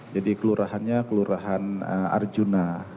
jadi kelurahannya kelurahan arjuna